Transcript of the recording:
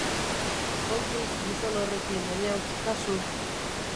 Kontuz gizon horrekin, Eñaut, kasu.